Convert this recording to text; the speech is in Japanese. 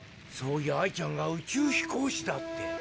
そういやアイちゃんが「宇宙飛行士だ」って。